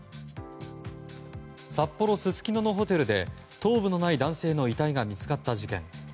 札幌・すすきののホテルで頭部のない男性の遺体が見つかった事件。